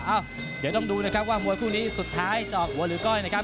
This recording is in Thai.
เอ้าเดี๋ยวต้องดูนะครับว่ามวยคู่นี้สุดท้ายเจาะหัวหรือก้อยนะครับ